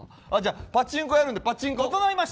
パチンコ屋あるんで、パチンコ。